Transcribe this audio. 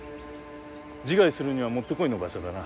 自害するにはもってこいの場所だな。